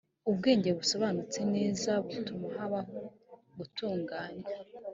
ubwenge busobanutse neza butuma habaho gutandukanya.